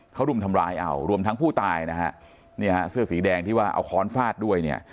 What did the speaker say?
เขารุมทำร้ายร่วมทั้งผู้ตายสื่อสีแดงที่ว่าเอาข้อนฝาดด้วย